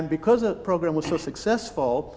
dan karena program ini sangat berhasil